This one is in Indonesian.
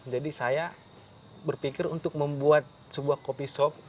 jadi saya berpikir untuk membuat sebuah kopi shop